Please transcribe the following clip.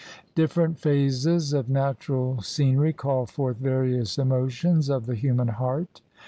Different phases of natural scenery call forth various emotions of the human heart.